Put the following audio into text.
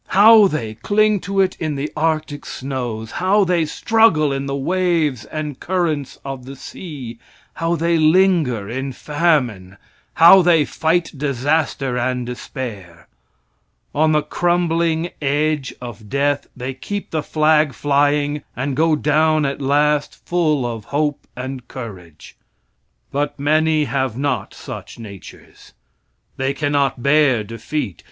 How they cling to it in the arctic snows how they struggle in the waves and currents of the sea how they linger in famine how they fight disaster and despair! On the crumbling edge of death they keep the flag flying and go down at last full of hope and courage. But many have not such natures. They cannot bear defeat.